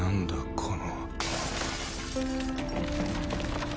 この